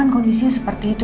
elsa kan kondisinya seperti itu